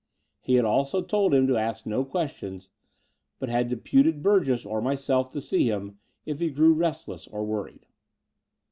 He had also told him to ask no questions, but had deputed Burgess or mjrself to see him, if he grew restless and worried.